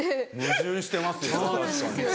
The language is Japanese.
矛盾してますね。